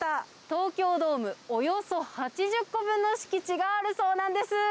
東京ドームおよそ８０個分の敷地があるそうなんです。